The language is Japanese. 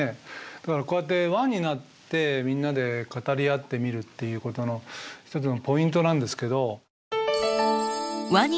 だからこうやって輪になってみんなで語り合ってみるっていうことの一つのポイントなんですけど。